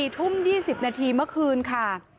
๔ทุ่ม๒๐นาทีเมื่อคืนค่ะ